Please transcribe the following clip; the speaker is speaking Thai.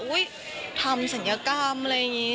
ทำศัลยกรรมอะไรอย่างนี้